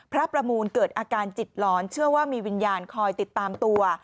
ประมูลเกิดอาการจิตหลอนเชื่อว่ามีวิญญาณคอยติดตามตัว